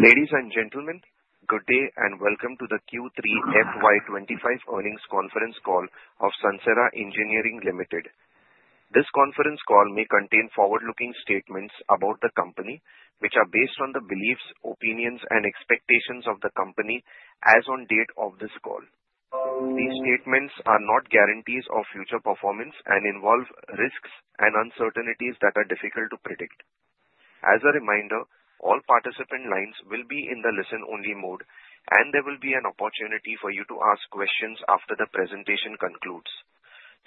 Ladies and gentlemen, good day and welcome to the Q3 FY 2025 earnings conference call of Sansera Engineering Limited. This conference call may contain forward-looking statements about the company, which are based on the beliefs, opinions, and expectations of the company as on date of this call. These statements are not guarantees of future performance and involve risks and uncertainties that are difficult to predict. As a reminder, all participant lines will be in the listen-only mode, and there will be an opportunity for you to ask questions after the presentation concludes.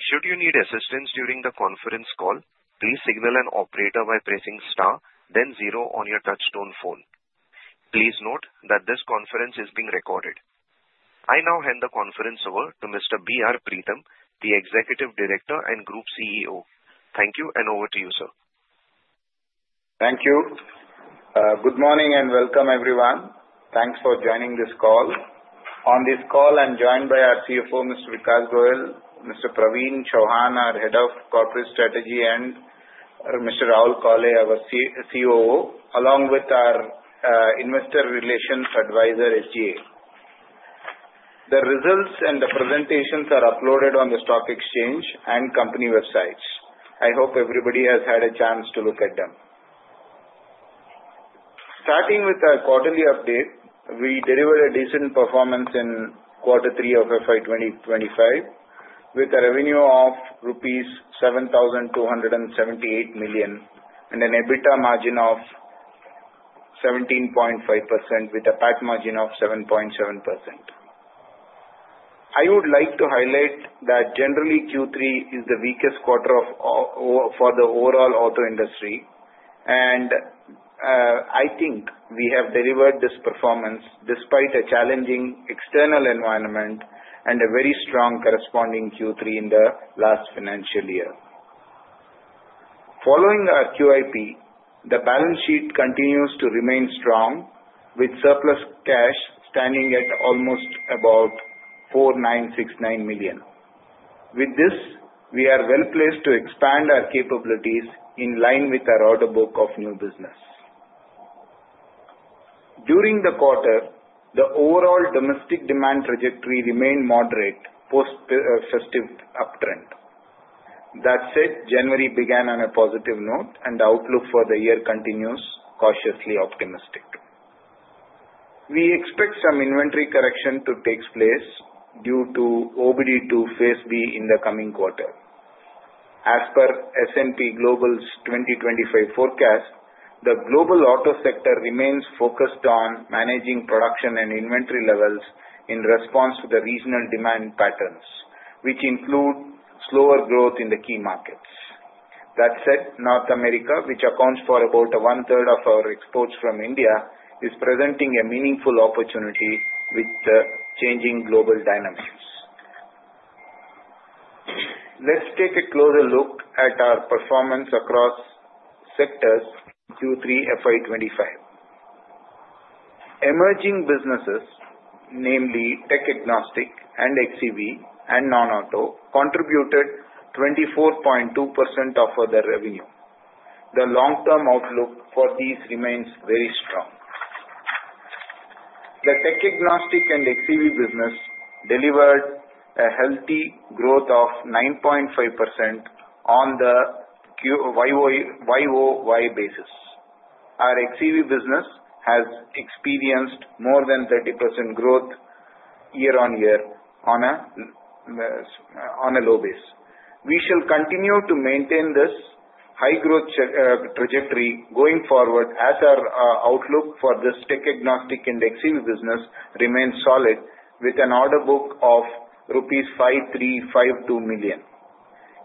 Should you need assistance during the conference call, please signal an operator by pressing star, then zero on your touch-tone phone. Please note that this conference is being recorded. I now hand the conference over to Mr. B. R. Preetham, the Executive Director and Group CEO. Thank you, and over to you, sir. Thank you. Good morning and welcome, everyone. Thanks for joining this call. On this call, I'm joined by our CFO, Mr. Vikas Goel, Mr. Praveen Chauhan, our Head of Corporate Strategy, and Mr. Rahul Kale, our COO, along with our Investor Relations Advisor, SGA. The results and the presentations are uploaded on the stock exchange and company websites. I hope everybody has had a chance to look at them. Starting with our quarterly update, we delivered a decent performance in Q3 of FY 2025, with a revenue of rupees 7,278 million and an EBITDA margin of 17.5%, with a PAT margin of 7.7%. I would like to highlight that generally, Q3 is the weakest quarter for the overall auto industry, and I think we have delivered this performance despite a challenging external environment and a very strong corresponding Q3 in the last financial year. Following our QIP, the balance sheet continues to remain strong, with surplus cash standing at almost about 4,969 million. With this, we are well placed to expand our capabilities in line with our order book of new business. During the quarter, the overall domestic demand trajectory remained moderate post-festive uptrend. That said, January began on a positive note, and the outlook for the year continues cautiously optimistic. We expect some inventory correction to take place due to OBD2 Phase B in the coming quarter. As per S&P Global's 2025 forecast, the global auto sector remains focused on managing production and inventory levels in response to the regional demand patterns, which include slower growth in the key markets. That said, North America, which accounts for about 1/3 of our exports from India, is presenting a meaningful opportunity with the changing global dynamics. Let's take a closer look at our performance across sectors Q3 FY 2025. Emerging businesses, namely tech-agnostic and xEV and non-auto, contributed 24.2% of the revenue. The long-term outlook for these remains very strong. The tech-agnostic and xEV business delivered a healthy growth of 9.5% on the YoY basis. Our xEV business has experienced more than 30% growth year-on-year on a low base. We shall continue to maintain this high-growth trajectory going forward as our outlook for this tech-agnostic and xEV business remains solid, with an order book of rupees 5,352 million,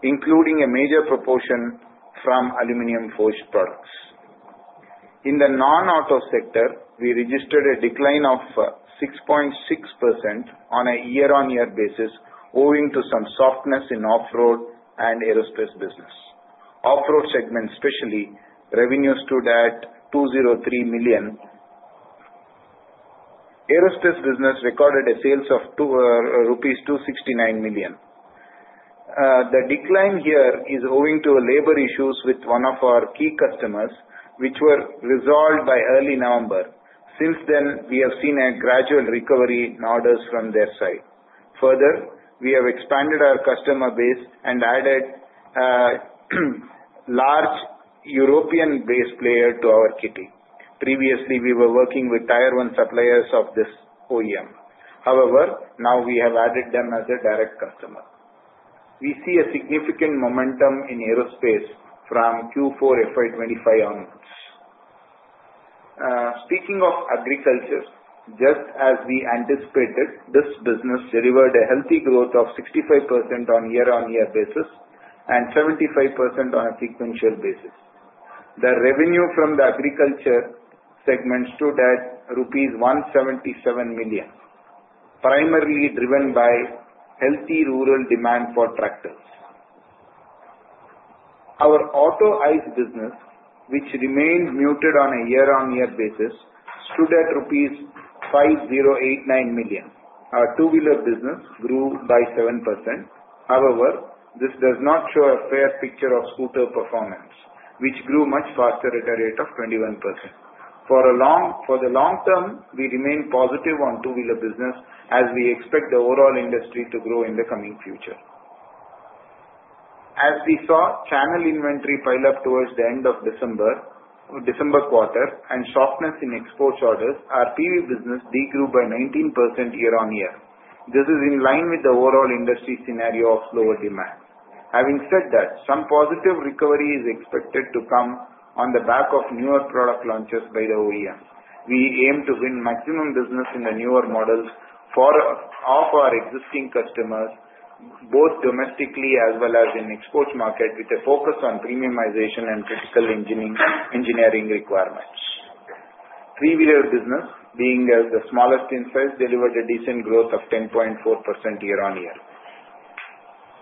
including a major proportion from aluminium-forged products. In the non-auto sector, we registered a decline of 6.6% on a year-on-year basis, owing to some softness in off-road and aerospace business. Off-road segment, especially, revenues stood at 203 million. Aerospace business recorded a sales of 269 million. The decline here is owing to labor issues with one of our key customers, which were resolved by early November. Since then, we have seen a gradual recovery in orders from their side. Further, we have expanded our customer base and added a large European-based player to our kitty. Previously, we were working with Tier 1 suppliers of this OEM. However, now we have added them as a direct customer. We see a significant momentum in aerospace from Q4 FY 2025 onwards. Speaking of agriculture, just as we anticipated, this business delivered a healthy growth of 65% on a year-on-year basis and 75% on a sequential basis. The revenue from the agriculture segment stood at rupees 177 million, primarily driven by healthy rural demand for tractors. Our auto ICE business, which remained muted on a year-on-year basis, stood at rupees 5,089 million. Our 2-wheeler business grew by 7%. However, this does not show a fair picture of scooter performance, which grew much faster at a rate of 21%. For the long term, we remain positive on the 2-wheeler business, as we expect the overall industry to grow in the coming future. As we saw channel inventory pile up towards the end of December quarter and softness in export orders, our PV business de-grew by 19% year-on-year. This is in line with the overall industry scenario of slower demand. Having said that, some positive recovery is expected to come on the back of newer product launches by the OEM. We aim to win maximum business in the newer models for our existing customers, both domestically as well as in the export market, with a focus on premiumization and critical engineering requirements. 3-wheeler business, being the smallest in size, delivered a decent growth of 10.4% year-on-year.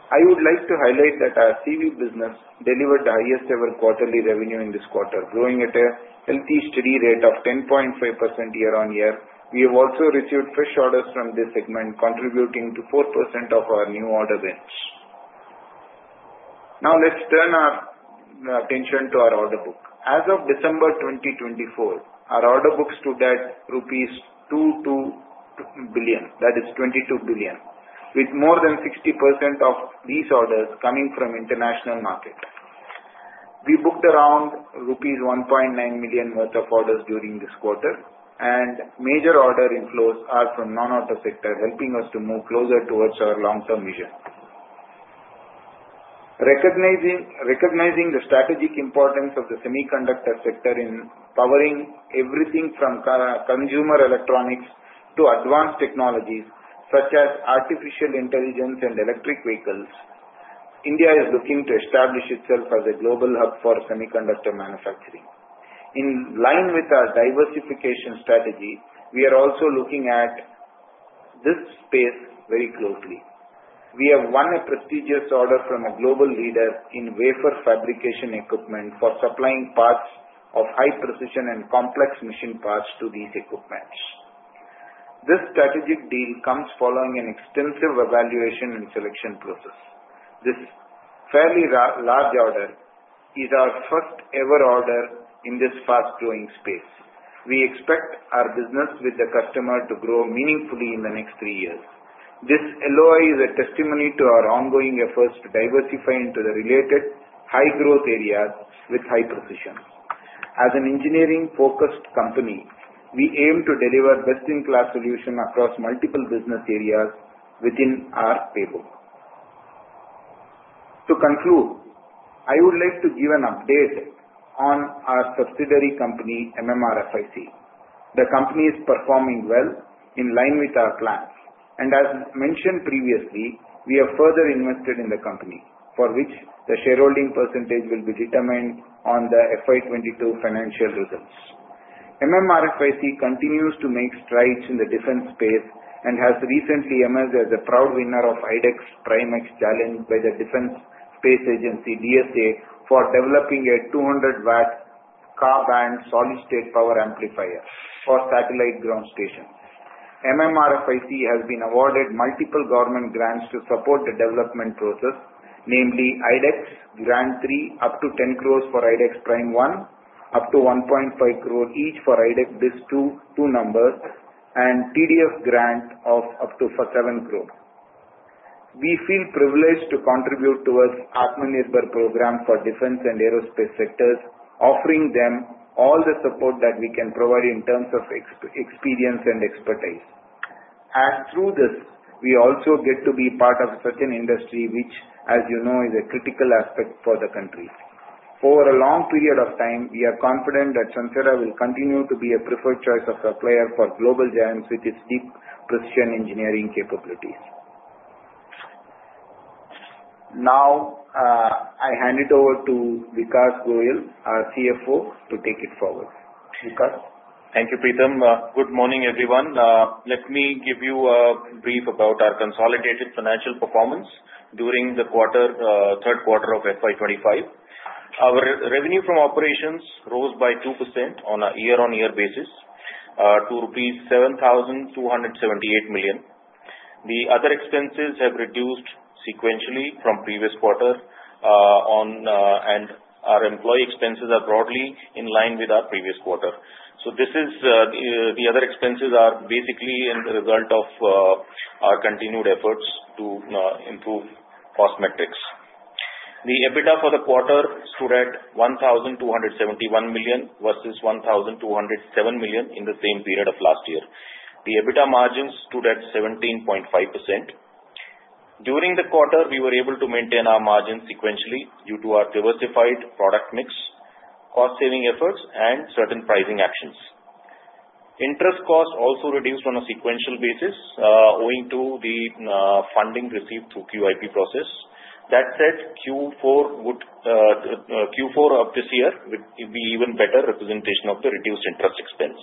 I would like to highlight that our CV business delivered the highest-ever quarterly revenue in this quarter, growing at a healthy steady rate of 10.5% year-on-year. We have also received fresh orders from this segment, contributing to 4% of our new order range. Now, let's turn our attention to our order book. As of December 2024, our order books stood at rupees 22 billion, that is 22 billion, with more than 60% of these orders coming from the international market. We booked around rupees 1.9 billion worth of orders during this quarter, and major order inflows are from the non-auto sector, helping us to move closer toward our long-term vision. Recognizing the strategic importance of the semiconductor sector in powering everything from consumer electronics to advanced technologies such as artificial intelligence and electric vehicles, India is looking to establish itself as a global hub for semiconductor manufacturing. In line with our diversification strategy, we are also looking at this space very closely. We have won a prestigious order from a global leader in wafer fabrication equipment for supplying parts of high-precision and complex machine parts to this equipment. This strategic deal comes following an extensive evaluation and selection process. This fairly large order is our first-ever order in this fast-growing space. We expect our business with the customer to grow meaningfully in the next three years. This LOI is a testimony to our ongoing efforts to diversify into the related high-growth areas with high precision. As an engineering-focused company, we aim to deliver best-in-class solutions across multiple business areas within our playbook. To conclude, I would like to give an update on our subsidiary company, MMRFIC. The company is performing well in line with our plans, and as mentioned previously, we have further invested in the company, for which the shareholding percentage will be determined on the FY 2022 financial results. MMRFIC continues to make strides in the defense space and has recently emerged as a proud winner of iDEX Prime X Challenge by the Defence Space Agency, DSA, for developing a 200-watt Ka-band solid-state power amplifier for satellite ground stations. MMRFIC has been awarded multiple government grants to support the development process, namely iDEX, Grant 3, up to 10 crores for iDEX Prime 1, up to 1.5 crore each for iDEX DISC 2 numbers and TDF grant of up to 7 crore. We feel privileged to contribute towards the Atmanirbhar program for defense and aerospace sectors, offering them all the support that we can provide in terms of experience and expertise. As through this, we also get to be part of such an industry which, as you know, is a critical aspect for the country. For a long period of time, we are confident that Sansera will continue to be a preferred choice of a player for global giants with its deep precision engineering capabilities. Now, I hand it over to Vikas Goel, our CFO, to take it forward. Vikas? Thank you, Preetham. Good morning, everyone. Let me give you a brief about our consolidated financial performance during the third quarter of FY 2025. Our revenue from operations rose by 2% on a year-on-year basis to rupees 7,278 million. The other expenses have reduced sequentially from the previous quarter, and our employee expenses are broadly in line with our previous quarter. So, the other expenses are basically the result of our continued efforts to improve cost metrics. The EBITDA for the quarter stood at 1,271 million versus 1,207 million in the same period of last year. The EBITDA margin stood at 17.5%. During the quarter, we were able to maintain our margins sequentially due to our diversified product mix, cost-saving efforts, and certain pricing actions. Interest costs also reduced on a sequential basis, owing to the funding received through the QIP process. That said, Q4 of this year would be an even better representation of the reduced interest expense.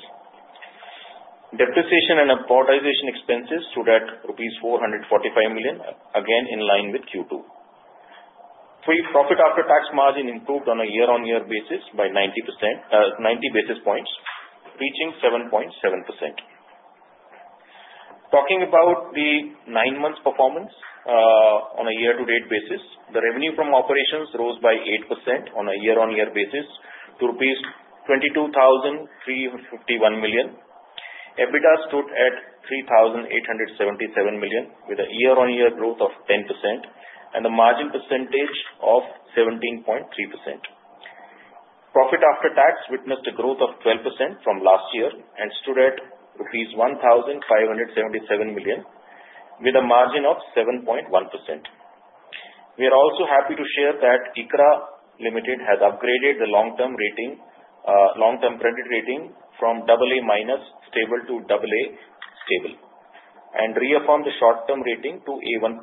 Depreciation and amortization expenses stood at rupees 445 million, again in line with Q2. Profit after tax margin improved on a year-on-year basis by 90 basis points, reaching 7.7%. Talking about the nine-month performance on a year-to-date basis, the revenue from operations rose by 8% on a year-on-year basis to rupees 22,351 million. EBITDA stood at 3,877 million, with a year-on-year growth of 10% and a margin percentage of 17.3%. Profit after tax witnessed a growth of 12% from last year and stood at rupees 1,577 million, with a margin of 7.1%. We are also happy to share that ICRA Limited has upgraded the long-term credit rating from AA- stable to AA stable and reaffirmed the short-term rating to A1+.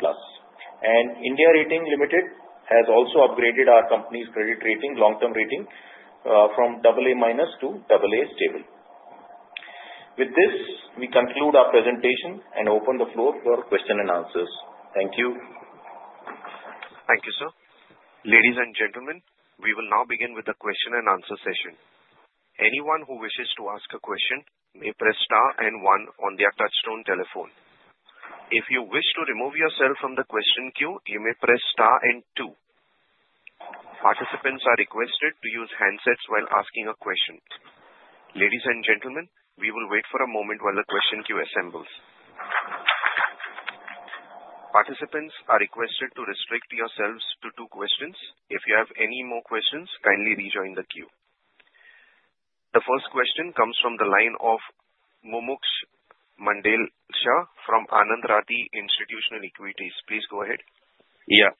India Ratings Limited has also upgraded our company's credit rating, long-term rating, from AA- to AA stable. With this, we conclude our presentation and open the floor for questions and answers. Thank you. Thank you, sir. Ladies and gentlemen, we will now begin with the question-and-answer session. Anyone who wishes to ask a question may press star and one on their touch-tone telephone. If you wish to remove yourself from the question queue, you may press star and two. Participants are requested to use handsets while asking a question. Ladies and gentlemen, we will wait for a moment while the question queue assembles. Participants are requested to restrict yourselves to two questions. If you have any more questions, kindly rejoin the queue. The first question comes from the line of Mumuksh Mandlesha from Anand Rathi Institutional Equities. Please go ahead. Yeah.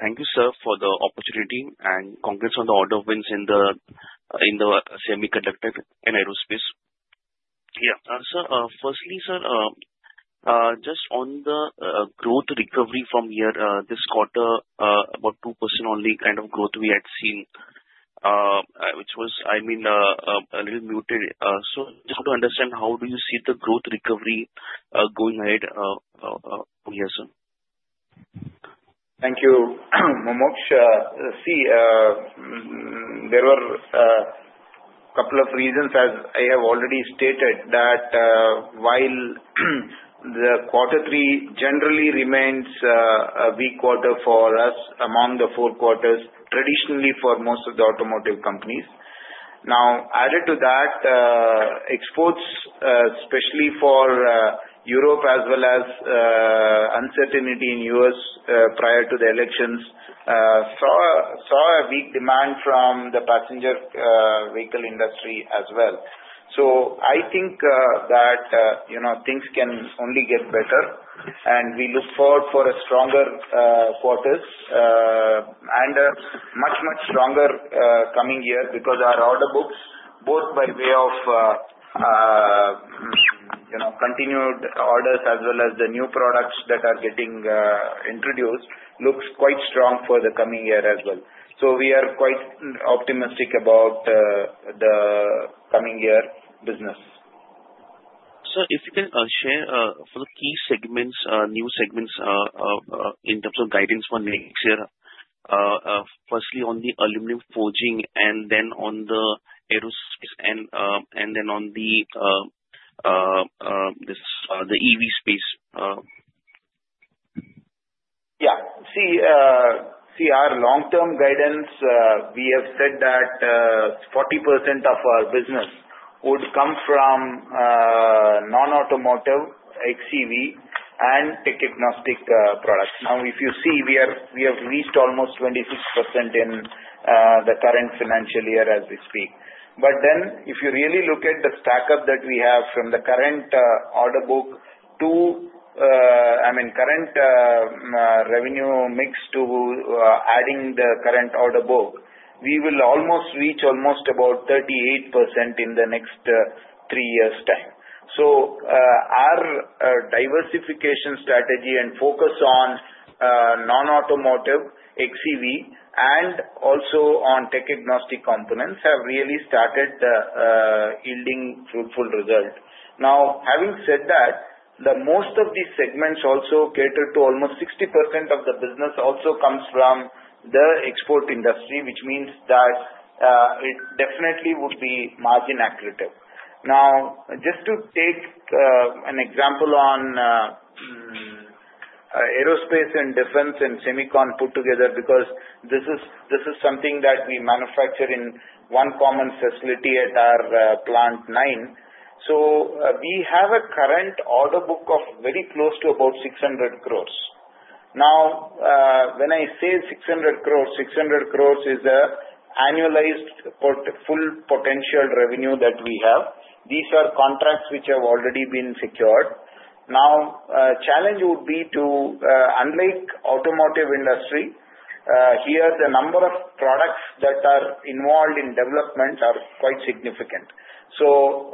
Thank you, sir, for the opportunity and congrats on the order wins in the Semiconductor and Aerospace. Yeah. Sir, firstly, sir, just on the growth recovery from here this quarter, about 2% only kind of growth we had seen, which was, I mean, a little muted. So just to understand, how do you see the growth recovery going ahead from here, sir? Thank you, Mumuksh. See, there were a couple of reasons, as I have already stated, that while the quarter three generally remains a weak quarter for us among the four quarters, traditionally for most of the automotive companies. Now, added to that, exports, especially for Europe as well as uncertainty in the U.S. prior to the elections, saw a weak demand from the passenger vehicle industry as well, so I think that things can only get better, and we look forward for stronger quarters and much, much stronger coming year because our order books, both by way of continued orders as well as the new products that are getting introduced, look quite strong for the coming year as well, so we are quite optimistic about the coming year business. Sir, if you can share for the key segments, new segments in terms of guidance for next year, firstly on the aluminium forging and then on the aerospace and then on the EV space. Yeah. See, our long-term guidance, we have said that 40% of our business would come from non-automotive xEV and tech-agnostic products. Now, if you see, we have reached almost 26% in the current financial year as we speak. But then, if you really look at the stack-up that we have from the current order book to, I mean, current revenue mix to adding the current order book, we will almost reach almost about 38% in the next three years' time. So our diversification strategy and focus on non-automotive xEV and also on tech-agnostic components have really started yielding fruitful results. Now, having said that, most of these segments also cater to almost 60% of the business also comes from the export industry, which means that it definitely would be margin accurate. Now, just to take an example on Aerospace and Defense and Semicon put together because this is something that we manufacture in one common facility at our Plant 9. So we have a current order book of very close to about 600 crores. Now, when I say 600 crores, 600 crores is the annualized full potential revenue that we have. These are contracts which have already been secured. Now, the challenge would be to, unlike the automotive industry, here, the number of products that are involved in development are quite significant. So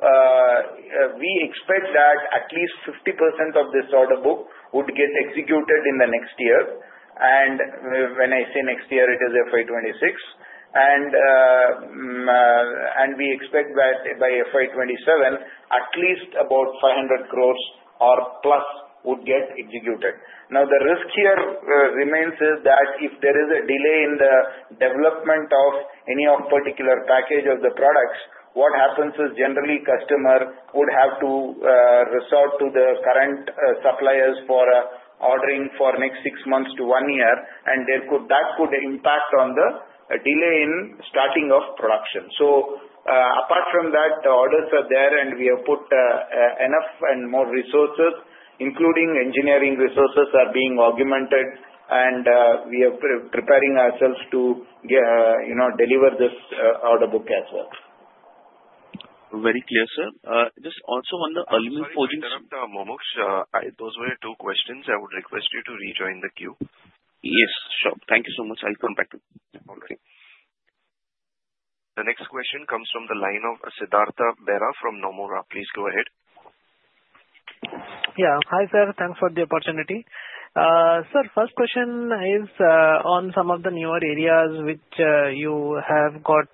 we expect that at least 50% of this order book would get executed in the next year. And when I say next year, it is FY 2026. And we expect that by FY 2027, at least about 500 crores or plus would get executed. Now, the risk here remains is that if there is a delay in the development of any particular package of the products, what happens is generally the customer would have to resort to the current suppliers for ordering for the next six months to one year, and that could impact on the delay in starting of production. So apart from that, the orders are there, and we have put enough and more resources, including engineering resources, are being augmented, and we are preparing ourselves to deliver this order book as well. Very clear, sir. Just also on the aluminum forging. Mumuksh, those were your two questions. I would request you to rejoin the queue. Yes. Sure. Thank you so much. I'll come back to you. All right. The next question comes from the line of Siddhartha Bera from Nomura. Please go ahead. Yeah. Hi, sir. Thanks for the opportunity. Sir, first question is on some of the newer areas which you have got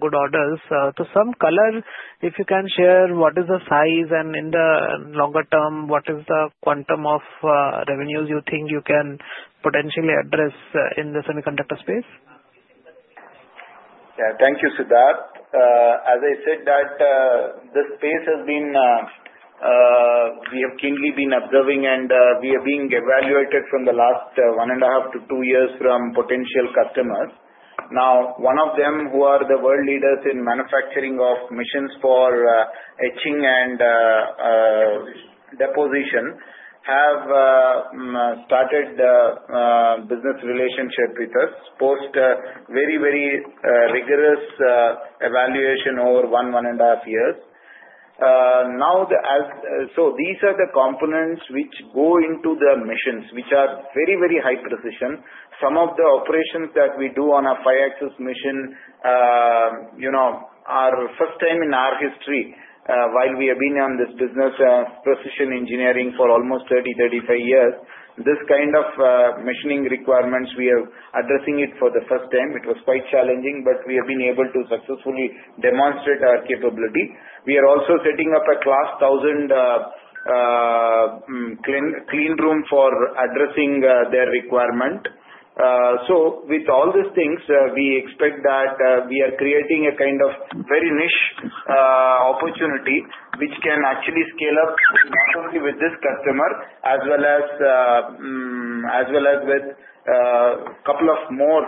good orders. To give some color, if you can share what is the size and in the longer term, what is the quantum of revenues you think you can potentially address in the Semiconductor space? Yeah. Thank you, Siddhartha. As I said, that the space has been we have keenly been observing, and we are being evaluated from the last one and a half to two years from potential customers. Now, one of them who are the world leaders in manufacturing of machines for etching and deposition have started the business relationship with us post very, very rigorous evaluation over one, one and a half years. Now, so these are the components which go into the machines which are very, very high precision. Some of the operations that we do on a 5-axis machine are first time in our history. While we have been in this business of precision engineering for almost 30, 35 years, this kind of machining requirements, we are addressing it for the first time. It was quite challenging, but we have been able to successfully demonstrate our capability. We are also setting up a Class 1000 clean room for addressing their requirement. So, with all these things, we expect that we are creating a kind of very niche opportunity which can actually scale up not only with this customer as well as with a couple of more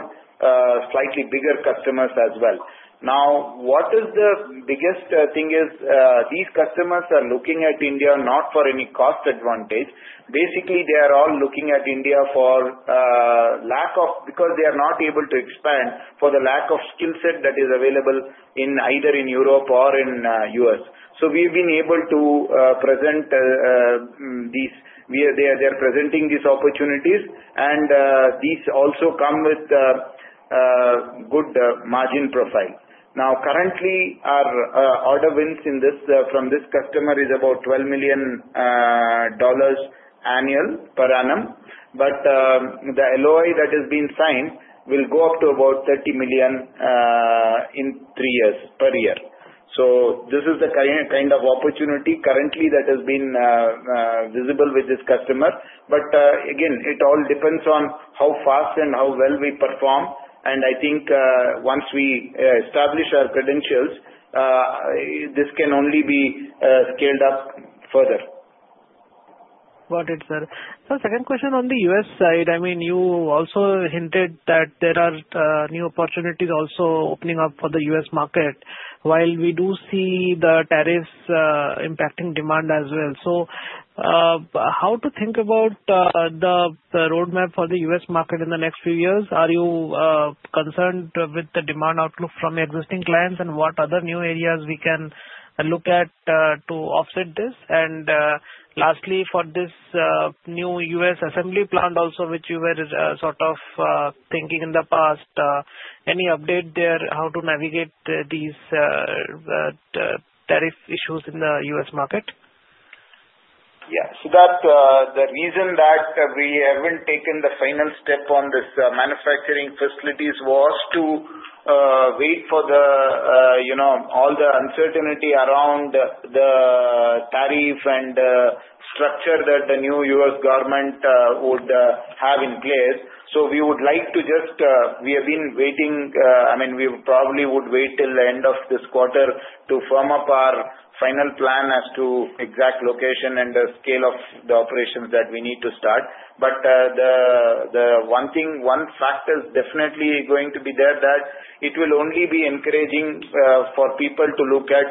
slightly bigger customers as well. Now, what is the biggest thing is these customers are looking at India not for any cost advantage. Basically, they are all looking at India for lack of because they are not able to expand for the lack of skill set that is available either in Europe or in the U.S. So, we have been able to present these they are presenting these opportunities, and these also come with good margin profile. Now, currently, our order wins from this customer is about $12 million annual per annum. But the LOI that has been signed will go up to about $30 million in three years per year. So this is the kind of opportunity currently that has been visible with this customer. But again, it all depends on how fast and how well we perform. And I think once we establish our credentials, this can only be scaled up further. Got it, sir. Sir, second question on the U.S. side. I mean, you also hinted that there are new opportunities also opening up for the U.S. market while we do see the tariffs impacting demand as well. So how to think about the roadmap for the U.S. market in the next few years? Are you concerned with the demand outlook from existing clients and what other new areas we can look at to offset this? And lastly, for this new U.S. assembly plant also which you were sort of thinking in the past, any update there how to navigate these tariff issues in the U.S. market? Yeah. Siddhartha, the reason that we haven't taken the final step on this manufacturing facilities was to wait for all the uncertainty around the tariff and structure that the new U.S. government would have in place. So we would like to just, we have been waiting. I mean, we probably would wait till the end of this quarter to firm up our final plan as to exact location and the scale of the operations that we need to start. But the one factor is definitely going to be there that it will only be encouraging for people to look at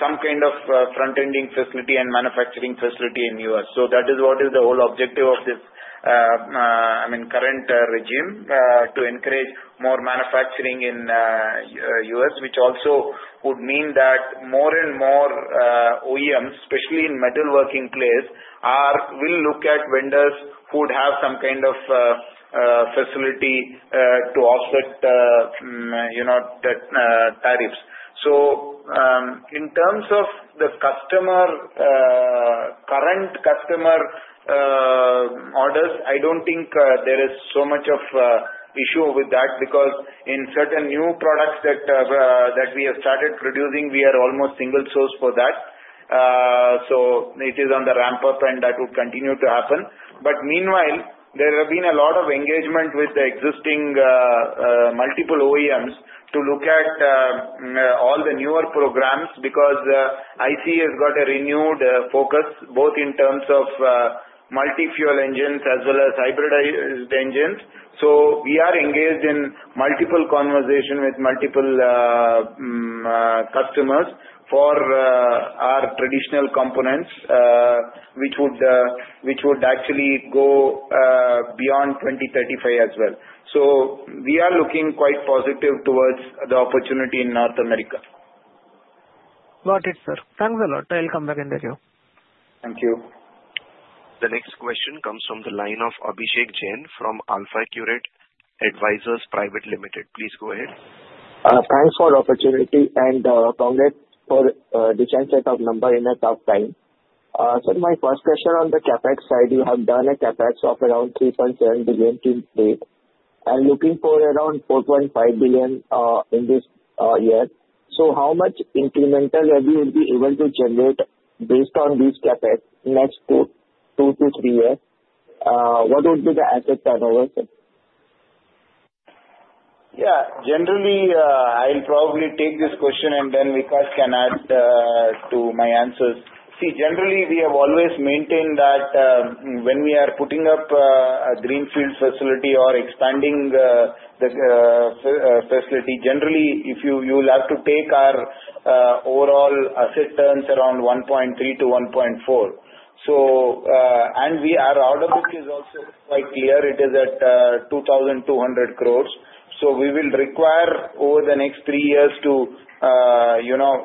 some kind of front-ending facility and manufacturing facility in the U.S. That is what is the whole objective of this, I mean, current regime to encourage more manufacturing in the U.S., which also would mean that more and more OEMs, especially in metalworking place, will look at vendors who would have some kind of facility to offset the tariffs. So in terms of the current customer orders, I don't think there is so much of an issue with that because in certain new products that we have started producing, we are almost single source for that. So it is on the ramp-up and that would continue to happen. But meanwhile, there have been a lot of engagement with the existing multiple OEMs to look at all the newer programs because ICE has got a renewed focus both in terms of multi-fuel engines as well as hybridized engines. So we are engaged in multiple conversations with multiple customers for our traditional components which would actually go beyond 2035 as well. So we are looking quite positive towards the opportunity in North America. Got it, sir. Thanks a lot. I'll come back in the queue. Thank you. The next question comes from the line of Abhishek Jain from AlfAccurate Advisors Private Limited. Please go ahead. Thanks for the opportunity and congrats for the chance to set up number in a tough time. Sir, my first question on the CapEx side. You have done a CapEx of around $3.7 billion to date and looking for around $4.5 billion in this year. So how much incremental have you been able to generate based on these CapEx next two to three years? What would be the asset turnover? Yeah. Generally, I'll probably take this question and then Vikas can add to my answers. See, generally, we have always maintained that when we are putting up a greenfield facility or expanding the facility, generally, you will have to take our overall asset turns around 1.3-1.4. And the order book is also quite clear. It is at 2,200 crores. So we will require over the next three years to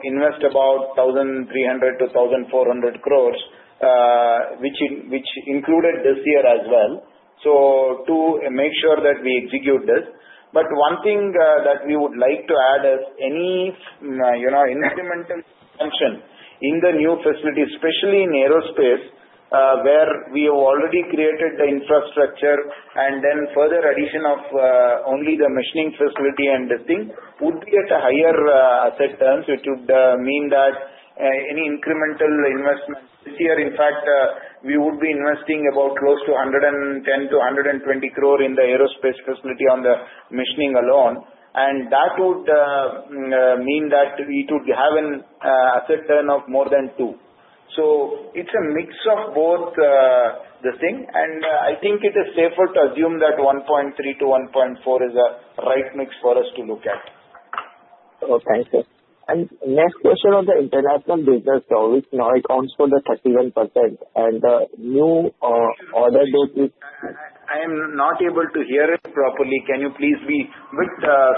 invest about 1,300 crores-1,400 crores, which included this year as well, to make sure that we execute this. But one thing that we would like to add is any incremental expansion in the new facilities, especially in aerospace, where we have already created the infrastructure and then further addition of only the machining facility and this thing would be at a higher asset turn, which would mean that any incremental investment this year, in fact, we would be investing about close to 110 crore-120 crore in the aerospace facility on the machining alone. And that would mean that it would have an asset turn of more than two. So it's a mix of both this thing, and I think it is safer to assume that 1.3-1.4 is a right mix for us to look at. Oh, thank you. And next question on the international business, so now it counts for the 31% and the new order book is. I am not able to hear it properly. Can you please be a bit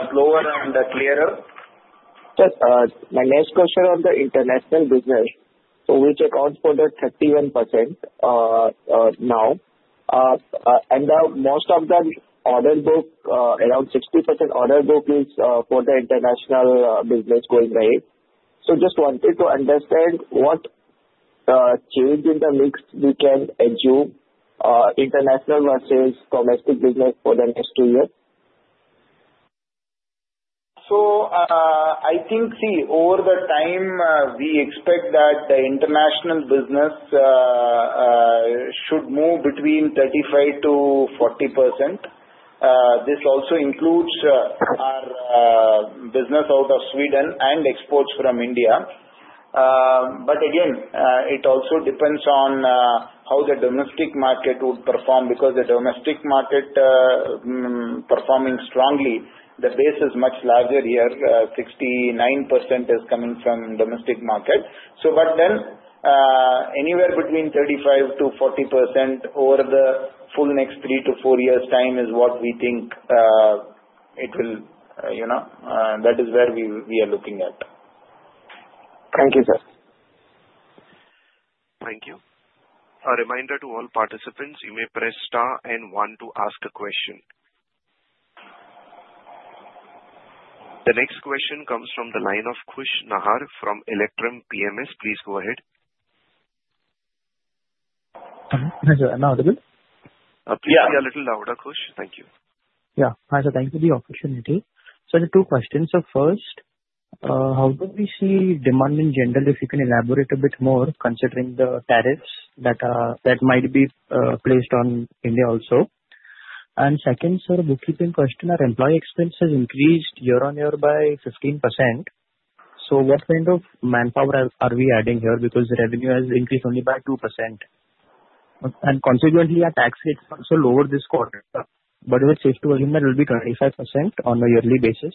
slower and clearer? Sir, my next question on the international business, so which accounts for the 31% now? And most of the order book, around 60% order book is for the international business going ahead. So just wanted to understand what change in the mix we can achieve, international versus domestic business for the next two years. I think, see, over the time, we expect that the international business should move between 35%-40%. This also includes our business out of Sweden and exports from India. But again, it also depends on how the domestic market would perform because the domestic market is performing strongly. The base is much larger here. 69% is coming from the domestic market. But then anywhere between 35%-40% over the full next three to four years' time is what we think it will that is where we are looking at. Thank you, sir. Thank you. A reminder to all participants, you may press star and one to ask a question. The next question comes from the line of Khush Nahar from Electrum PMS. Please go ahead. Hello. Hi, sir. Am I audible? Please be a little louder, Khush. Thank you. Yeah. Hi, sir. Thank you for the opportunity. So I have two questions. So first, how do we see demand in general if you can elaborate a bit more considering the tariffs that might be placed on India also? And second, sir, a bookkeeping question. Our employee expenses increased year-on-year by 15%. So what kind of manpower are we adding here because the revenue has increased only by 2%? And consequently, our tax rates are also lower this quarter. But is it safe to assume that it will be 25% on a yearly basis?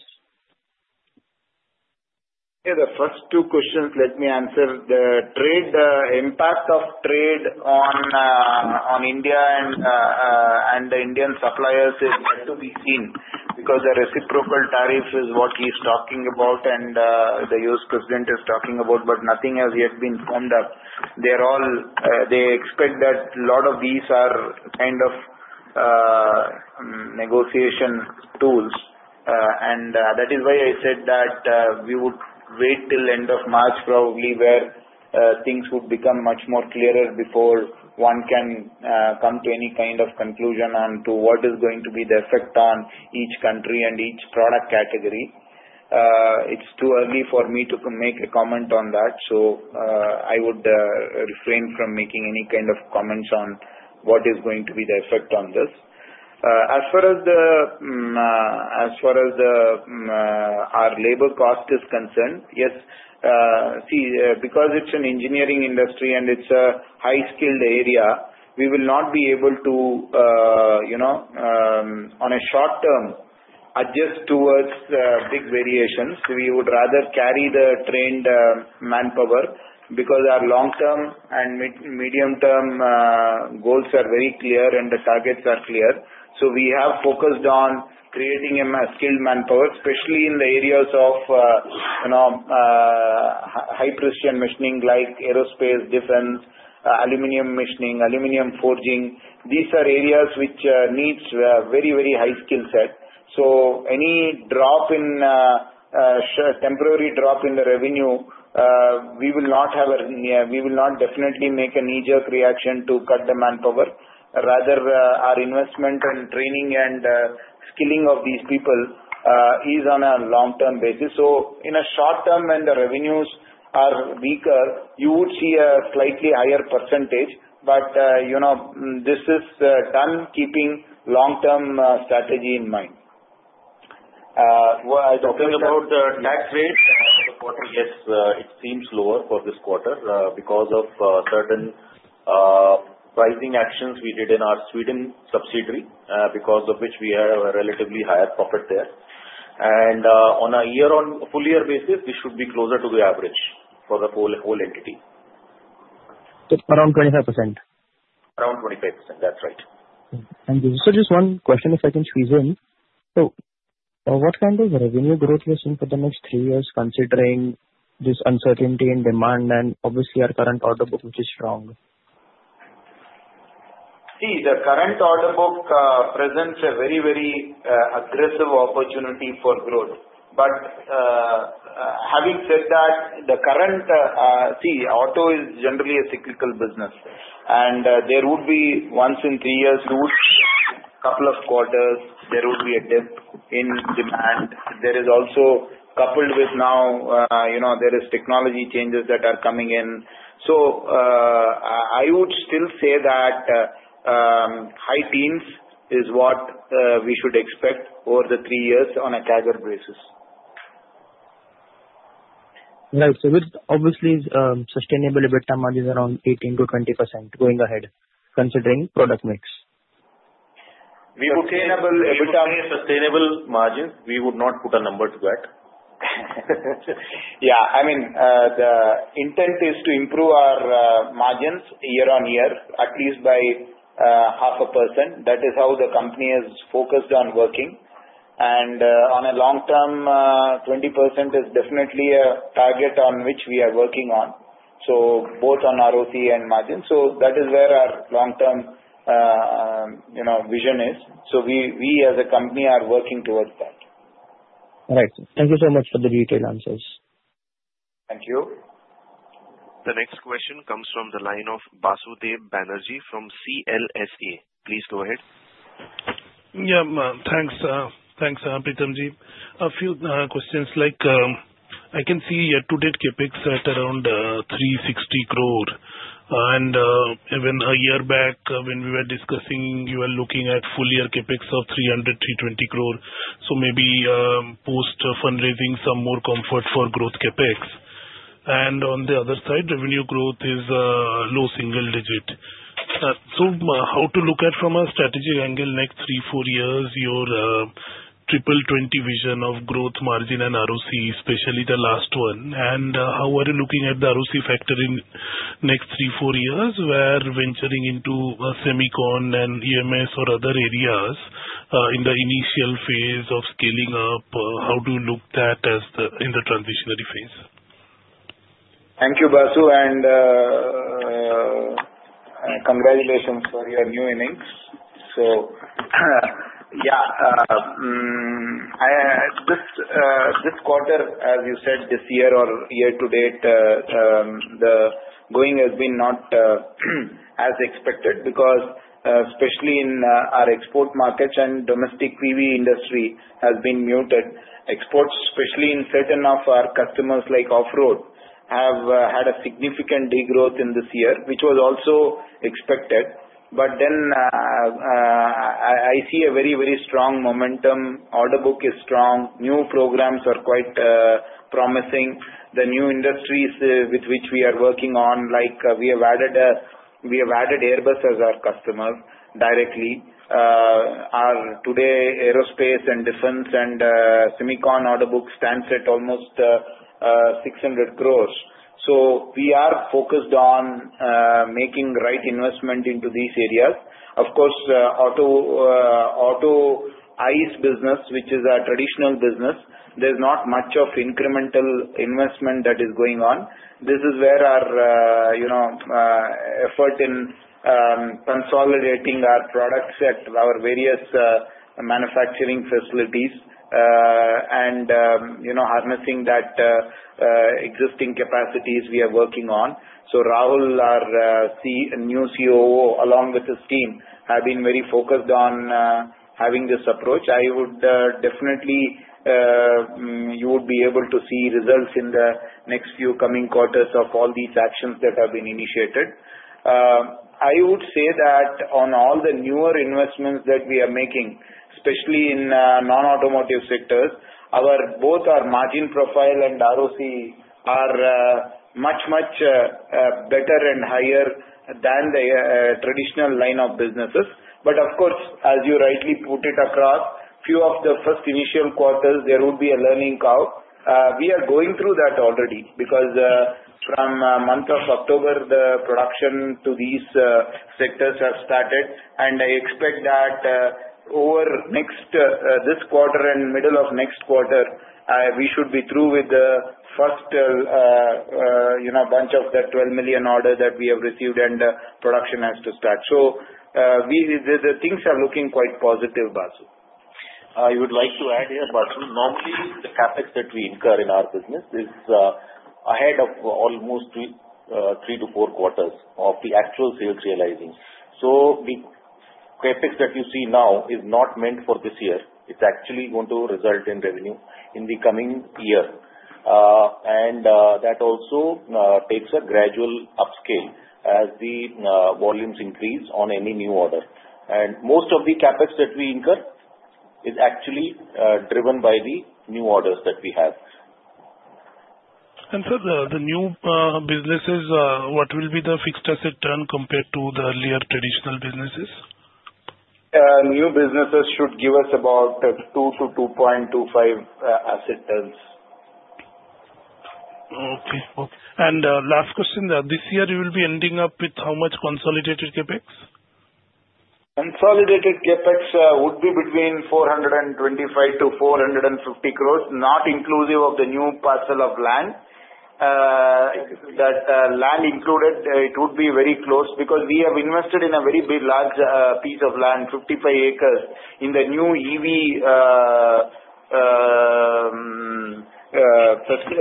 Yeah. The first two questions, let me answer. The impact of trade on India and the Indian suppliers is yet to be seen because the reciprocal tariff is what he's talking about and the U.S. President is talking about, but nothing has yet been firmed up. They expect that a lot of these are kind of negotiation tools. And that is why I said that we would wait till end of March probably where things would become much more clearer before one can come to any kind of conclusion onto what is going to be the effect on each country and each product category. It's too early for me to make a comment on that. So I would refrain from making any kind of comments on what is going to be the effect on this. As far as our labor cost is concerned, yes. See, because it's an engineering industry and it's a high-skilled area, we will not be able to, on a short term, adjust towards big variations. We would rather carry the trained manpower because our long-term and medium-term goals are very clear and the targets are clear. So we have focused on creating a skilled manpower, especially in the areas of high-precision machining like aerospace, defense, aluminum machining, aluminum forging. These are areas which need very, very high skill set. So any temporary drop in the revenue, we will not definitely make a knee-jerk reaction to cut the manpower. Rather, our investment and training and skilling of these people is on a long-term basis. So in a short term, when the revenues are weaker, you would see a slightly higher percentage. But this is done keeping long-term strategy in mind. Talking about the tax rate. The quarter, yes, it seems lower for this quarter because of certain pricing actions we did in our Sweden subsidiary because of which we have a relatively higher profit there. On a full-year basis, we should be closer to the average for the whole entity. It's around 25%. Around 25%. That's right. Thank you. Sir, just one question if I can squeeze in. So what kind of revenue growth do you assume for the next three years considering this uncertainty in demand and obviously our current order book which is strong? The current order book presents a very, very aggressive opportunity for growth. But having said that, the current auto is generally a cyclical business. And there would be once in three years, a couple of quarters, there would be a dip in demand. There is also coupled with now there are technology changes that are coming in. So I would still say that high teens is what we should expect over the three years on a CAGR basis. Nice. So with obviously sustainable EBITDA margins around 18%-20% going ahead considering product mix. If it's EBITDA sustainable margins, we would not put a number to that. Yeah. I mean, the intent is to improve our margins year on year, at least by 0.5%. That is how the company has focused on working. And on a long term, 20% is definitely a target on which we are working on, so both on ROCE and margins. So that is where our long-term vision is. So we as a company are working towards that. All right. Thank you so much for the detailed answers. Thank you. The next question comes from the line of Basudeb Banerjee from CLSA. Please go ahead. Yeah. Thanks. Thanks, Preethamji. A few questions like I can see year-to-date CapEx at around 360 crore. And even a year back when we were discussing, you were looking at full-year CapEx of 300 crore, 320 crore. So maybe post-fundraising, some more comfort for growth CapEx. And on the other side, revenue growth is low single digit. So how to look at from a strategic angle next three, four years, your triple-20 vision of growth, margin, and ROCE, especially the last one? And how are you looking at the ROCE factor in next three, four years? Where venturing into Semicon and EMS or other areas in the initial phase of scaling up, how do you look at that in the transitionary phase? Thank you, Basu, and congratulations for your new innings, so yeah, this quarter, as you said, this year or year-to-date, the going has been not as expected because especially in our export markets and domestic PV industry has been muted. Exports, especially in certain of our customers like off-road, have had a significant degrowth in this year, which was also expected, but then I see a very, very strong momentum. Order book is strong. New programs are quite promising. The new industries with which we are working on, like we have added Airbus as our customer directly. Today, Aerospace and Defense and Semicon order book stands at almost 600 crores, so we are focused on making the right investment into these areas. Of course, auto ICE business, which is our traditional business, there's not much of incremental investment that is going on. This is where our effort in consolidating our products at our various manufacturing facilities and harnessing that existing capacities we are working on. So Rahul, our new COO, along with his team, have been very focused on having this approach. I would definitely you would be able to see results in the next few coming quarters of all these actions that have been initiated. I would say that on all the newer investments that we are making, especially in non-automotive sectors, both our margin profile and ROCE are much, much better and higher than the traditional line of businesses. But of course, as you rightly put it across, few of the first initial quarters, there would be a learning curve. We are going through that already because from month of October, the production to these sectors have started. I expect that over this quarter and middle of next quarter, we should be through with the first bunch of the 12 million order that we have received and production has to start. The things are looking quite positive, Basu. I would like to add here, Basu, normally the CapEx that we incur in our business is ahead of almost three-to-four quarters of the actual sales realizing. So the CapEx that you see now is not meant for this year. It's actually going to result in revenue in the coming year, and that also takes a gradual upscale as the volumes increase on any new order, and most of the CapEx that we incur is actually driven by the new orders that we have. Sir, the new businesses, what will be the fixed asset turn compared to the earlier traditional businesses? New businesses should give us about 2-2.25 asset turns. Okay, and last question, this year you will be ending up with how much consolidated CapEx? Consolidated CapEx would be 425 crores-450 crores, not inclusive of the new parcel of land. That land included, it would be very close because we have invested in a very large piece of land, 55 acres, in the new EV estate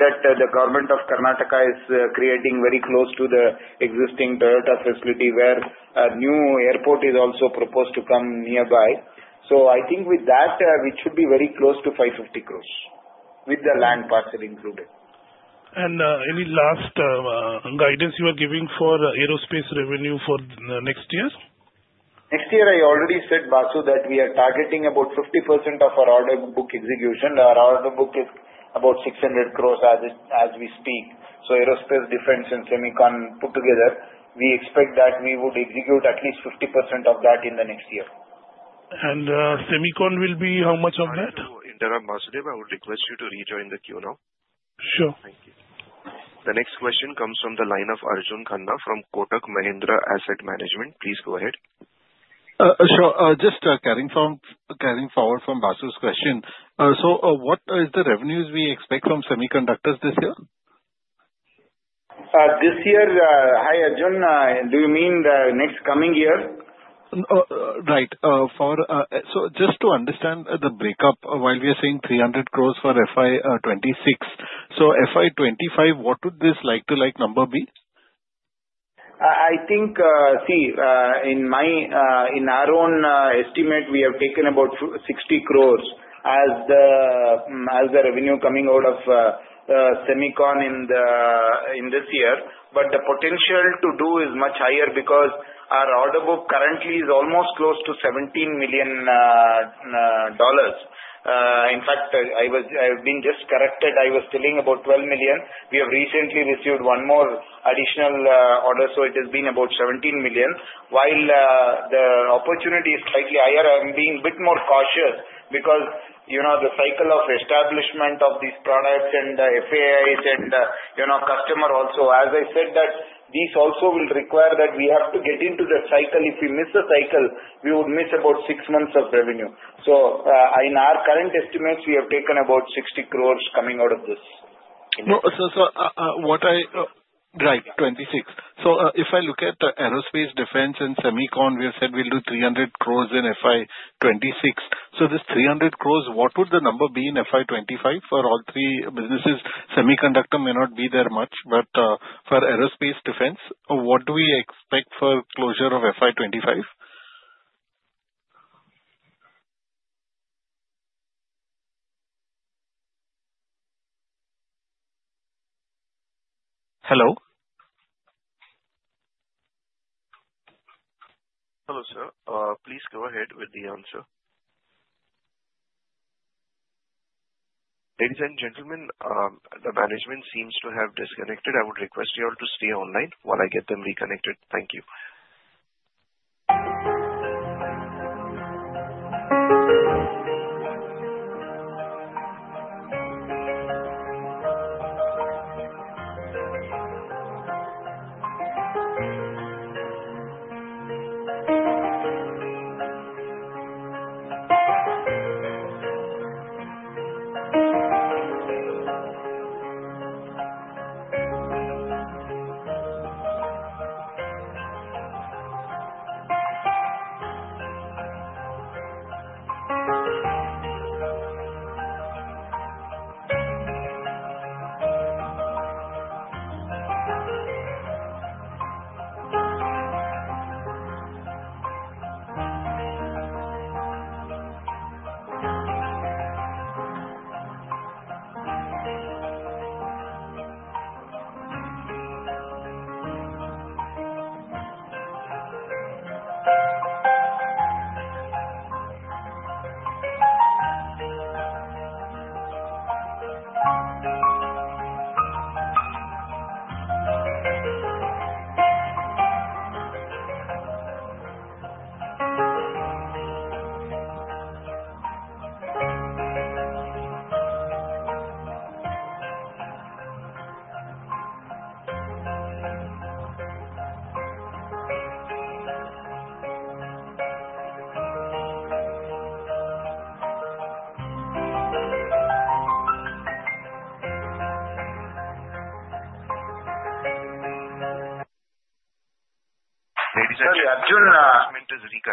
that the government of Karnataka is creating very close to the existing Toyota facility where a new airport is also proposed to come nearby. So I think with that, we should be very close to 550 crores with the land parcel included. Any last guidance you are giving for aerospace revenue for next year? Next year, I already said, Basu, that we are targeting about 50% of our order book execution. Our order book is about 600 crores as we speak. So Aerospace, Defense, and Semicon put together, we expect that we would execute at least 50% of that in the next year. And Semicon will be how much of that? I will interrupt, Basudeb, I would request you to rejoin the queue now. Sure. Thank you. The next question comes from the line of Arjun Khanna from Kotak Mahindra Asset Management. Please go ahead. Sure. Just carrying forward from Basu's question. So what is the revenues we expect from Semiconductors this year? This year, hi Arjun. Do you mean the next coming year? Right, so just to understand the breakup, while we are saying 300 crores for FY 2026, so FY 2025, what would this like-for-like number be? I think, see, in our own estimate, we have taken about 60 crores as the revenue coming out of Semicon in this year, but the potential to do is much higher because our order book currently is almost close to $17 million. In fact, I have been just corrected. I was telling about $12 million. We have recently received one more additional order, so it has been about $17 million. While the opportunity is slightly higher, I'm being a bit more cautious because the cycle of establishment of these products and the FAIs and customer also, as I said, that these also will require that we have to get into the cycle. If we miss the cycle, we would miss about six months of revenue, so in our current estimates, we have taken about 60 crores coming out of this. Sir, FY 2026. So if I look at Aerospace, Defense, and Semicon, we have said we'll do 300 crores in FY 2026. So this 300 crores, what would the number be in FY 2025 for all three businesses? Semiconductor may not be there much, but for Aerospace, Defense, what do we expect for closure of FY 2025? Hello? Hello, sir. Please go ahead with the answer. Ladies and gentlemen, the management seems to have disconnected. I would request you all to stay online while I get them reconnected. Thank you.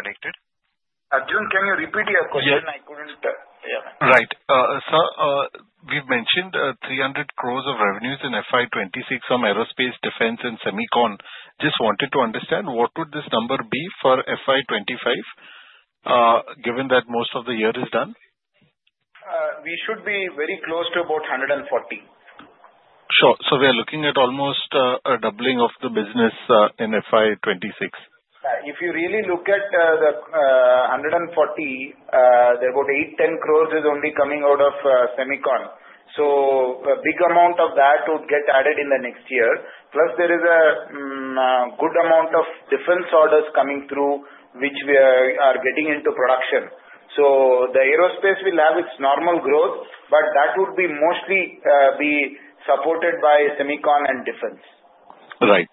Ladies and gentlemen, the management is reconnected. Arjun, can you repeat your question? I couldn't hear. Right. Sir, we've mentioned 300 crores of revenues in FY 2026 from Aerospace, Defense, and Semicon. Just wanted to understand what would this number be for FY 2025 given that most of the year is done? We should be very close to about 140 crores. Sure. So we are looking at almost a doubling of the business in FY 2026. If you really look at the 140 crores, about 8 crores- 10 crores that are only coming out of Semicon. So, a big amount of that would get added in the next year. Plus, there is a good amount of defense orders coming through, which we are getting into production. So, the Aerospace will have its normal growth, but that would mostly be supported by Semicon and Defense. Right.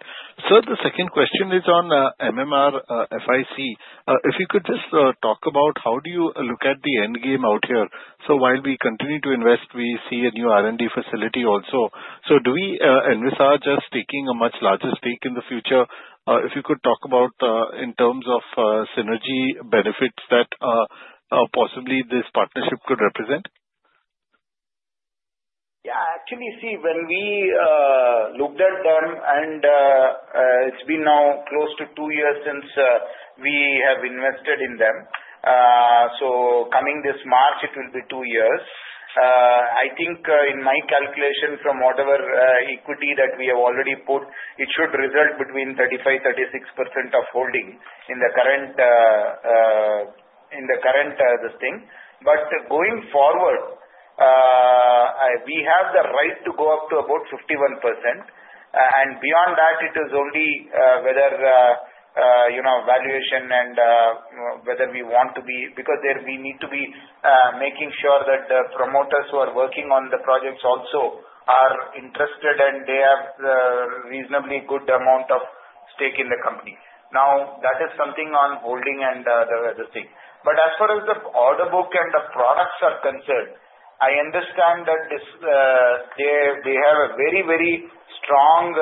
Sir, the second question is on MMRFIC. If you could just talk about how do you look at the end game out here? So while we continue to invest, we see a new R&D facility also. So do we and we start just taking a much larger stake in the future? If you could talk about in terms of synergy benefits that possibly this partnership could represent? Yeah. Actually, see, when we looked at them and it's been now close to two years since we have invested in them. So coming this March, it will be two years. I think in my calculation from whatever equity that we have already put, it should result between 35%-36% of holding in the current this thing. But going forward, we have the right to go up to about 51%. And beyond that, it is only whether valuation and whether we want to be because we need to be making sure that the promoters who are working on the projects also are interested and they have a reasonably good amount of stake in the company. Now, that is something on holding and the thing. But as far as the order book and the products are concerned, I understand that they have a very, very strong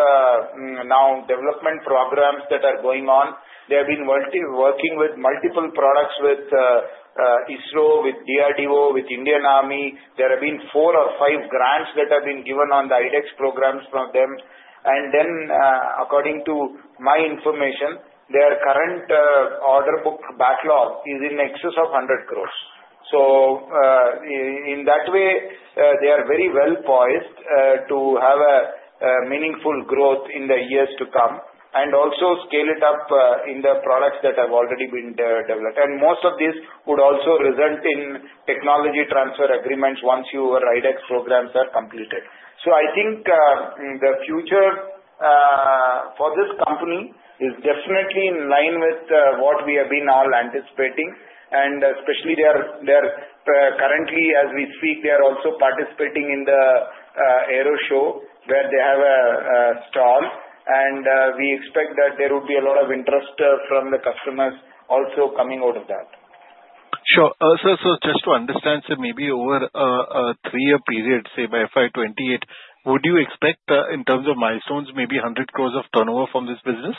now development programs that are going on. They have been working with multiple products with ISRO, with DRDO, with Indian Army. There have been four or five grants that have been given on the iDEX programs from them. And then, according to my information, their current order book backlog is in excess of 100 crores. So in that way, they are very well poised to have a meaningful growth in the years to come and also scale it up in the products that have already been developed. And most of these would also result in technology transfer agreements once your iDEX programs are completed. So I think the future for this company is definitely in line with what we have been all anticipating. Especially they are currently, as we speak, they are also participating in the aero show where they have a stall. We expect that there would be a lot of interest from the customers also coming out of that. Sure. Sir, just to understand, sir, maybe over a three-year period, say by FY 2028, would you expect in terms of milestones, maybe 100 crores of turnover from this business?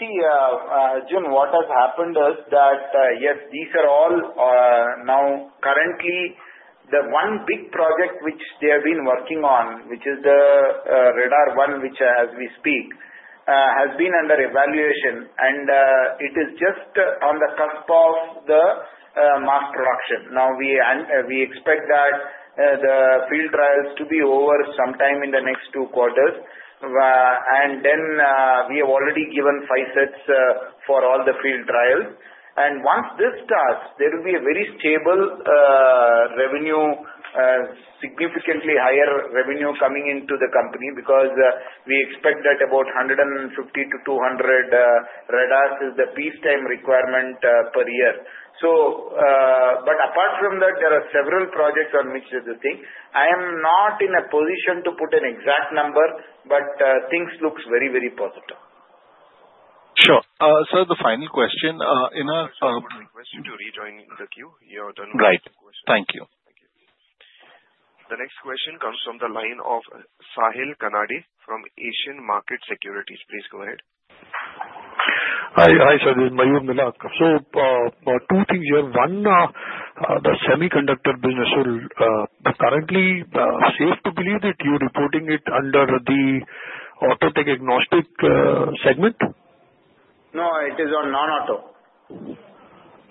See, Arjun, what has happened is that, yes, these are all now currently the one big project which they have been working on, which is the Radar 1, which as we speak, has been under evaluation, and it is just on the cusp of the mass production. Now, we expect that the field trials to be over sometime in the next two quarters, and then we have already given five sets for all the field trials, and once this starts, there will be a very stable revenue, significantly higher revenue coming into the company because we expect that about 150-200 radars is the peacetime requirement per year, but apart from that, there are several projects on which this is a thing. I am not in a position to put an exact number, but things look very, very positive. Sure. Sir, the final question. Sir, we request you to rejoin the queue. You have done one question. Right. Thank you. The next question comes from the line of Sahil Kanade from Asian Markets Securities. Please go ahead. Hi, sir. This is Mayur Milak. So two things here. One, the Semiconductor business, is it currently safe to believe that you're reporting it under the Auto tech-agnostic segment? No, it is on non-auto.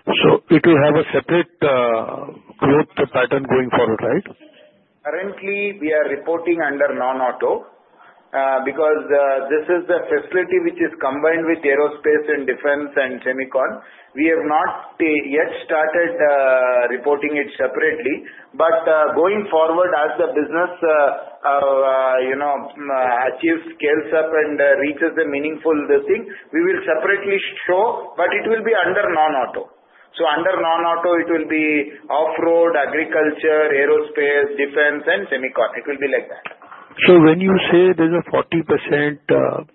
So it will have a separate growth pattern going forward, right? Currently, we are reporting under non-auto because this is the facility which is combined with Aerospace and Defense and Semicon. We have not yet started reporting it separately. But going forward, as the business achieves scale up and reaches a meaningful thing, we will separately show, but it will be under non-auto. So, under non-auto, it will be off-road, agriculture, Aerospace, Defense and Semicon. It will be like that. So when you say there could be a 40% kind of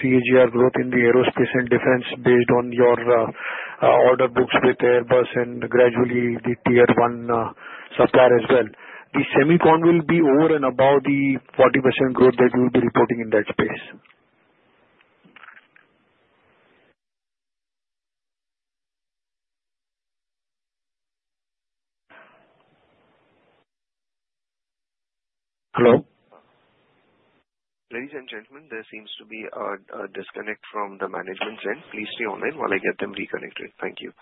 CAGR growth in the Aerospace and Defense based on your order books with Airbus and gradually the Tier 1 supplier as well. The Semicon will be over and above the 40% growth that you'll be reporting in that space. Hello? Ladies and gentlemen, there seems to be a disconnect from the management's end. Please stay online while I get them reconnected. Thank you.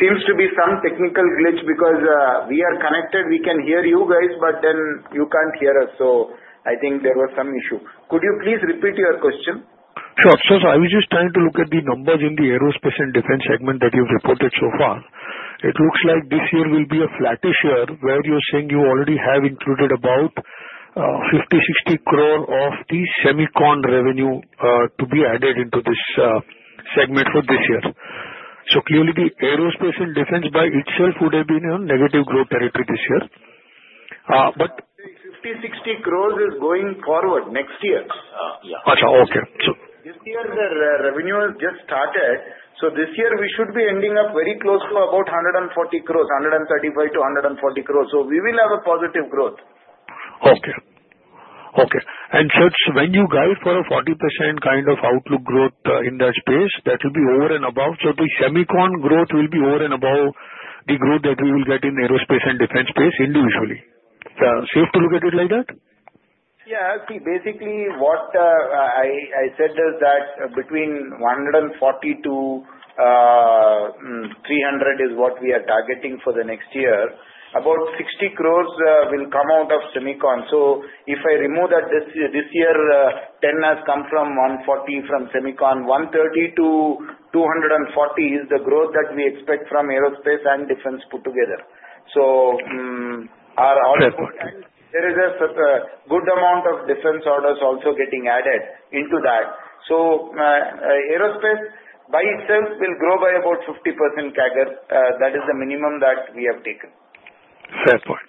It seems to be some technical glitch because we are connected. We can hear you guys, but then you can't hear us. So I think there was some issue. Could you please repeat your question? Sure. Sir, I was just trying to look at the numbers in the Aerospace and Defense segment that you've reported so far. It looks like this year will be a flattish year where you're saying you already have included about 50 crore-60 crore of the Semicon revenue to be added into this segment for this year. So clearly, the Aerospace and Defense by itself would have been in negative growth territory this year. But. 50 crores-60 crores is going forward next year. Okay. So. This year, the revenue has just started. So this year, we should be ending up very close to about 140 crores, 135 crores-140 crores. So we will have a positive growth. And sir, when you guide for a 40% kind of outlook growth in that space, that will be over and above. So the Semicon growth will be over and above the growth that we will get in aerospace and defense space individually. Safe to look at it like that? Yeah. Basically, what I said is that between 140 crores-300 crores is what we are targeting for the next year. About 60 crores will come out of Semicon. So if I remove that this year, 10 crores has come from 140 from Semicon, 130 crores-240 crores is the growth that we expect from Aerospace and Defense put together. So there is a good amount of defense orders also getting added into that. So Aerospace by itself will grow by about 50% CAGR. That is the minimum that we have taken. Fair point.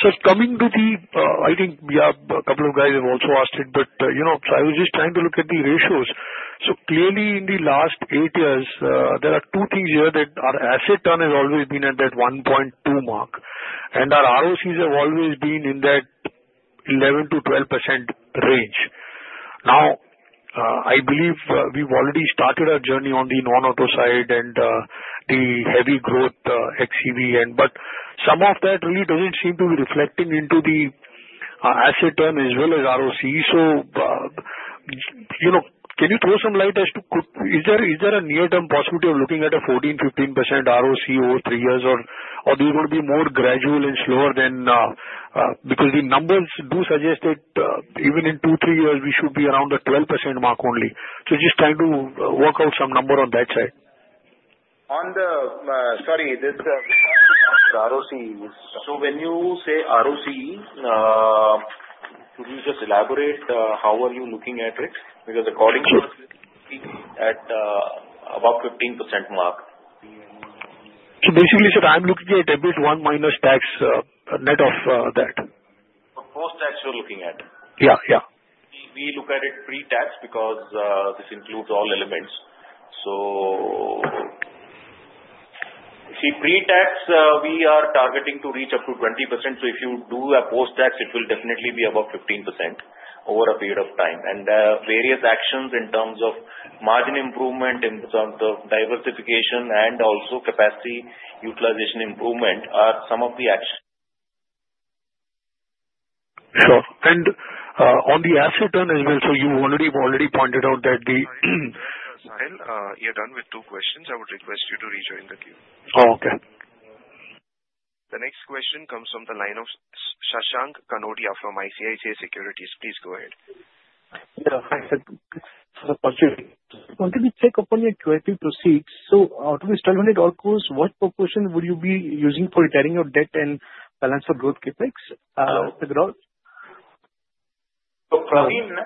Sir, coming to the, I think a couple of guys have also asked it, but I was just trying to look at the ratios, so clearly, in the last eight years, there are two things here that our asset turn has always been at that 1.2 mark. And our ROCs have always been in that 11%-12% range. Now, I believe we've already started our journey on the non-auto side and the heavy growth xEV end. But some of that really doesn't seem to be reflecting into the asset turn as well as ROCE. So can you throw some light as to is there a near-term possibility of looking at a 14%-15% ROCE over three years, or are they going to be more gradual and slower than because the numbers do suggest that even in two, three years, we should be around the 12% mark only, so just trying to work out some number on that side. Sorry, this is about the ROCE. So when you say ROCE, could you just elaborate how are you looking at it? Because according to us, we're looking at above 15% mark. So basically, sir, I'm looking at EBIT one minus tax net of that. Post-tax, you're looking at? Yeah, yeah. We look at it pre-tax because this includes all elements. So see, pre-tax, we are targeting to reach up to 20%. So if you do a post-tax, it will definitely be about 15% over a period of time. And various actions in terms of margin improvement, in terms of diversification, and also capacity utilization improvement are some of the actions. Sure, and on the asset turnover as well, so you've already pointed out that the. You're done with two questions. I would request you to rejoin the queue. Oh, okay. The next question comes from the line of Shashank Kanodia from ICICI Securities. Please go ahead. Yeah. Hi, sir. I wanted to check on your QIP proceeds? So out of this INR 1,200-odd crores, what proportion would you be using for retiring your debt and balance for growth CapEx? So Praveen?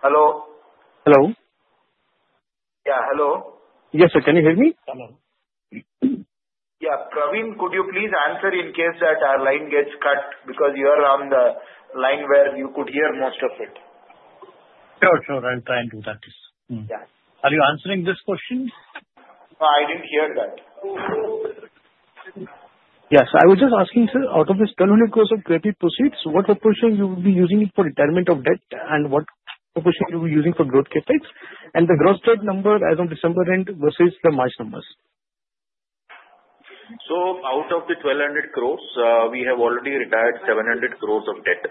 Hello? Hello? Yeah, hello? Yes, sir. Can you hear me? Yeah. Praveen, could you please answer in case that our line gets cut because you are on the line where you could hear most of it? Sure, sure. I'm trying to do that. Are you answering this question? No, I didn't hear that. Yes. I was just asking, sir, out of your 1,200 crores of credit proceeds, what proportion you will be using for retirement of debt, and what proportion you will be using for growth CapEx? And the gross debt number as of December end versus the March numbers. So out of the 1,200 crores, we have already retired 700 crores of debt,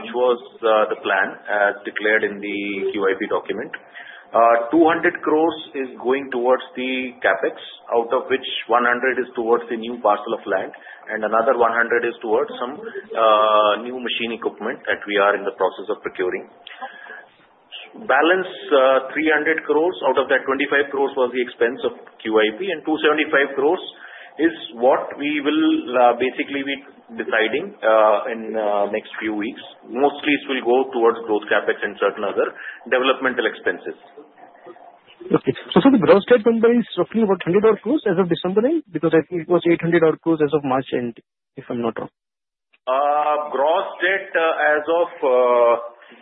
which was the plan as declared in the QIP document. 200 crores is going towards the CapEx, out of which 100 crores is towards the new parcel of land, and another 100 crores is towards some new machine equipment that we are in the process of procuring. Balance, 300 crores out of that 25 crores was the expense of QIP, and 275 crores is what we will basically be deciding in the next few weeks. Mostly, it will go towards growth CapEx and certain other developmental expenses. Okay. So sir, the gross debt number is roughly about 300-odd crores as of December end because I think it was 800-odd crores as of March end, if I'm not wrong. Gross debt as of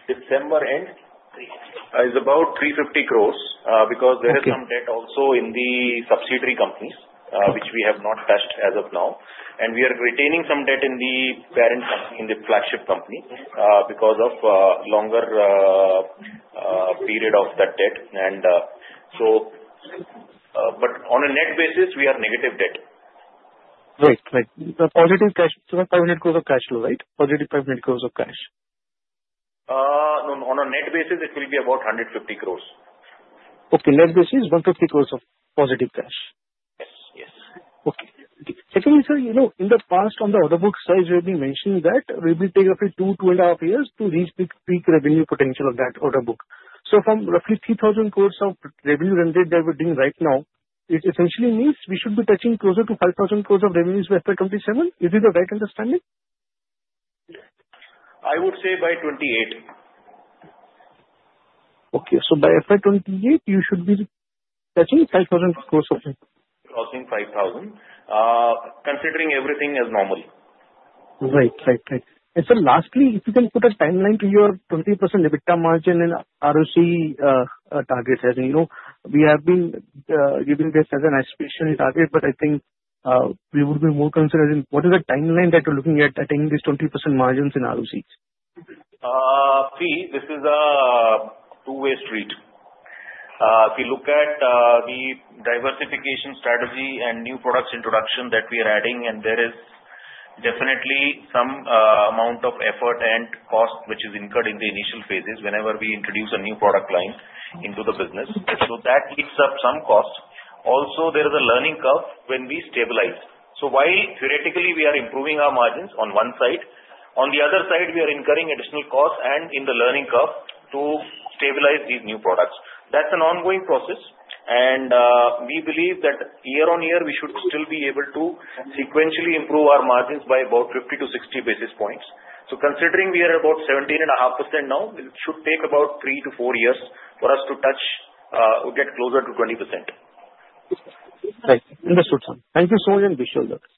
December end is about 350 crores because there is some debt also in the subsidiary companies, which we have not touched as of now. And we are retaining some debt in the parent company, in the flagship company, because of a longer period of that debt. But on a net basis, we are negative debt. Right, right. The positive cash, 500 crores of cash flow, right? Positive 500 crores of cash? No, on a net basis, it will be about 150 crores. Okay. Net basis, 150 crores of positive cash. Yes, yes. Okay. Secondly, sir, in the past, on the order books, sir, you have been mentioning that it will take roughly two, two and a half years to reach the peak revenue potential of that order book. So from roughly 3,000 crores of revenue that we're doing right now, it essentially means we should be touching closer to 5,000 crores of revenues by FY 2027. Is this the right understanding? I would say by 2028. Okay. So by FY 2028, you should be touching 5,000 crores. Crossing 5,000 crores, considering everything as normal. Right, right, right. And sir, lastly, if you can put a timeline to your 20% EBITDA margin and ROCE targets. We have been giving this as an aspiration target, but I think we would be more concerned in what is the timeline that we're looking at attaining these 20% margins in ROCE? See, this is a 2-way street. If you look at the diversification strategy and new products introduction that we are adding, and there is definitely some amount of effort and cost which is incurred in the initial phases whenever we introduce a new product line into the business. So that leads to some cost. Also, there is a learning curve when we stabilize. So while theoretically, we are improving our margins on one side, on the other side, we are incurring additional costs and in the learning curve to stabilize these new products. That's an ongoing process. And we believe that year on year, we should still be able to sequentially improve our margins by about 50-60 basis points. So considering we are about 17.5% now, it should take about three to four years for us to get closer to 20%. Right. Understood, sir. Thank you so much, and wish you all the best.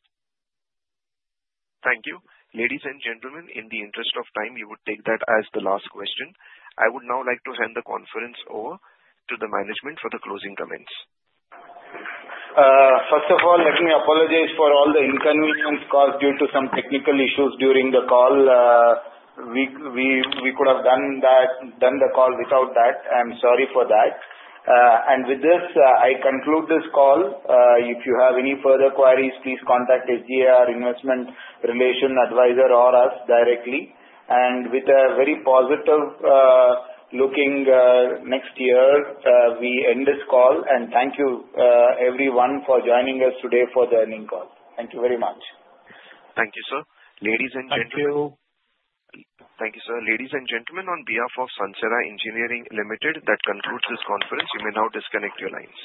Thank you. Ladies and gentlemen, in the interest of time, we would take that as the last question. I would now like to hand the conference over to the management for the closing comments. First of all, let me apologize for all the inconvenience caused due to some technical issues during the call. We could have done the call without that. I'm sorry for that. And with this, I conclude this call. If you have any further queries, please contact SGA Investment Relations Advisor or us directly. And with a very positive looking next year, we end this call. And thank you, everyone, for joining us today for the earnings call. Thank you very much. Thank you, sir. Ladies and gentlemen. Thank you. Thank you, sir. Ladies and gentlemen, on behalf of Sansera Engineering Limited, that concludes this conference. You may now disconnect your lines.